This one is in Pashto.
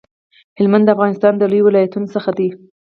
هلمند د افغانستان د لویو ولایتونو څخه دی